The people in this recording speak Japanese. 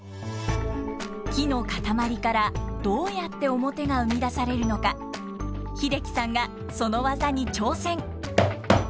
木の塊からどうやって面が生み出されるのか英樹さんがその技に挑戦！